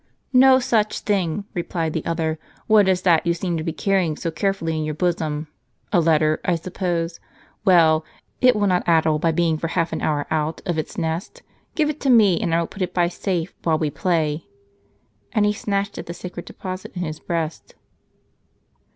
"No such thing," replied the other. "What is that you seem to be carrying so carefully in your bosom ? A letter, I suppose ; well, it will not addle by being for half an hour out of its nest. Give it to me, and I will put it by safe while we play." And lie snatched at the sacred deposit in his breast.